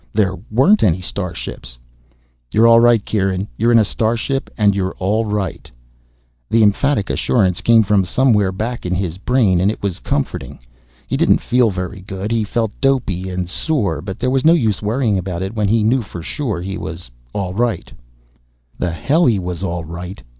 There weren't any starships. You're all right, Kieran. You're in a starship, and you're all right. The emphatic assurance came from somewhere back in his brain and it was comforting. He didn't feel very good, he felt dopey and sore, but there was no use worrying about it when he knew for sure he was all right The hell he was all right!